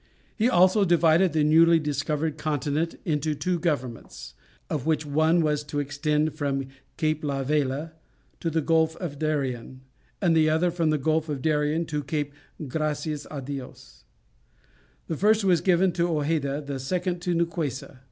He also divided the newly discovered continent into two governments, of which one was to extend from Cape La Vela to the Gulf of Darien, and the other from the Gulf of Darien to Cape Gracias a Dios. The first was given to Hojeda, the second to Nicuessa.